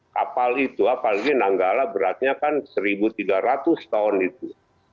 kapal itu apalagi nanggala beratnya kan seribu tiga ratus ton itu